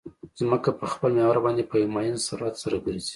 ځمکه په خپل محور باندې په یو معین سرعت سره ګرځي